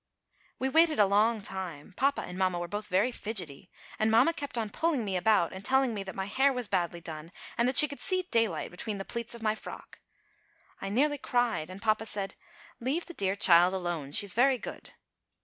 We waited a long time. Papa and mamma were both very fidgety and mamma kept on pulling me about, and telling me that my hair was badly done and that she could see daylight between the pleats of my frock. I nearly cried and papa said: "Leave the dear child alone; she's very good."